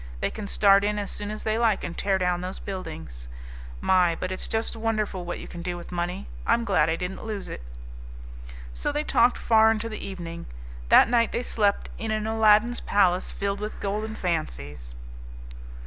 They can start in as soon as they like and tear down those buildings. My! but it's just wonderful what you can do with money. I'm glad I didn't lose it!" So they talked far into the evening. That night they slept in an Aladdin's palace filled with golden fancies.